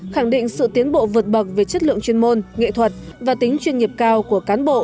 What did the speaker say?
khẳng định sự tiến bộ vượt bậc về chất lượng chuyên môn nghệ thuật và tính chuyên nghiệp cao của cán bộ